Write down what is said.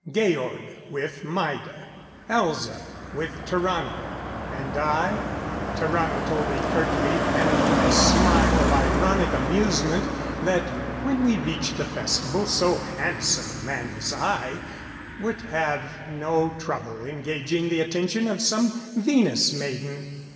Georg with Maida; Elza with Tarrano. And I? Tarrano told me curtly and with a smile of ironic amusement that when we reached the festival so handsome a man as I would have no trouble engaging the attention of some Venus maiden.